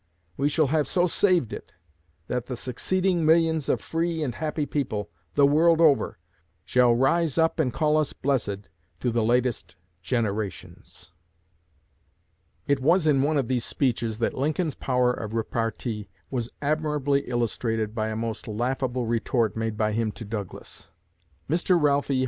We shall have so saved it that the succeeding millions of free and happy people, the world over, shall rise up and call us blessed to the latest generations. It was in one of these speeches that Lincoln's power of repartee was admirably illustrated by a most laughable retort made by him to Douglas. Mr. Ralph E.